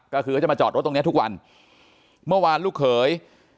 ก็คือเขาจะมาจอดรถตรงเนี้ยทุกวันเมื่อวานลูกเขย